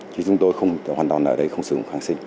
thì chúng tôi hoàn toàn ở đây không sử dụng kháng sinh